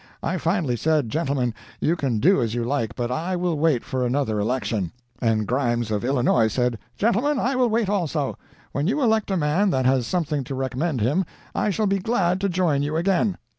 I finally said, gentlemen, you can do as you like, but I will wait for another election. And Grimes of Illinois said, 'Gentlemen, I will wait also. When you elect a man that has something to recommend him, I shall be glad to join you again.'